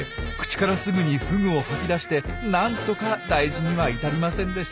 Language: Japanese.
口からすぐにフグを吐き出して何とか大事には至りませんでした。